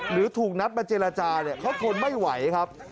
หรือถูกนัดมาเจรจาเนี่ยเขาทนไม่ไหวครับ